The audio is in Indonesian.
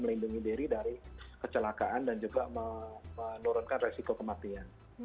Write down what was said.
melindungi diri dari kecelakaan dan juga menurunkan resiko kematian